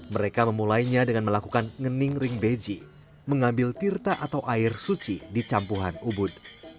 mereka memulainya dengan melakukan ngening ring beji mengambil tirta atau air suci di campuhan ubud